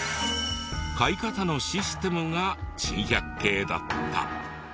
買い方のシステムが珍百景だった。